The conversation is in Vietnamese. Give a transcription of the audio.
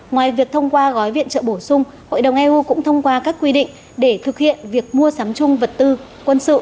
ngoài việc thông qua gói viện trợ bổ sung hội đồng eu cũng thông qua các quy định để thực hiện việc mua sắm chung vật tư quân sự